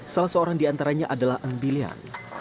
salah seorang di antaranya adalah ng bilyan